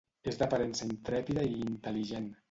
És d'aparença intrèpida i intel·ligent.